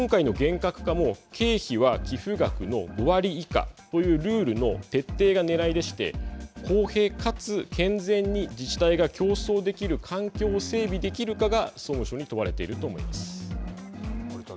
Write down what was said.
今回の厳格化も経費は寄付額の５割以下というルールの徹底がねらいでして公平かつ、健全に自治体が競争できる環境の整備できるかが総務省に問われていると思います。